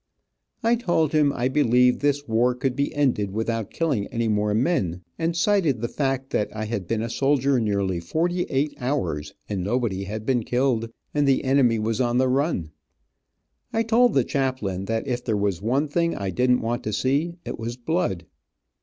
I told him I believed this war could be ended without killing any more men, and cited the fact that I had been a soldier nearly forty eight hours, and nobody had been killed, and the enemy was on the run. I told the chaplain that if there was one thing I didn't want to see, it was blood.